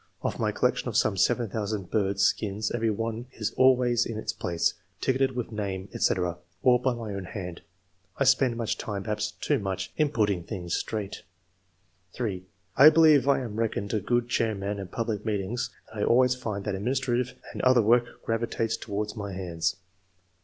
Of my collection of some 7,000 birds' skins every one is always in its place, ticketed with name, &c., all by my 106 ENGLISH MEN OF SCIENCE. [chap. own hand. I spend much time, perhaps too much, in putting things straight/' 3. —*^ I believe I am reckoned a good chair man at public meetings, and I always find that administrative and other work gravitates to wards my hands."